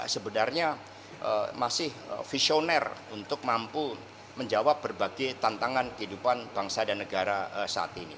sebenarnya masih visioner untuk mampu menjawab berbagai tantangan kehidupan bangsa dan negara saat ini